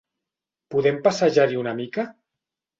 Podem passejar-hi una mica?